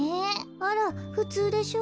あらふつうでしょ？